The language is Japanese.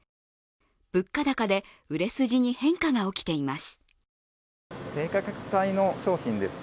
物価高で売れ筋に変化が起きています。